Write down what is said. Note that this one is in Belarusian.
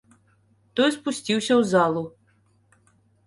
Той спусціўся ў залу.